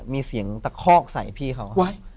มีเสียงตะคอกใส่พี่เขา